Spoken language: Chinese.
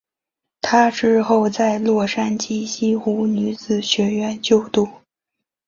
她之后在洛杉矶西湖女子学院就读。